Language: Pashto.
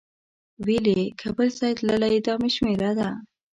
ویل یې که بل ځای تللی دا مې شمېره ده.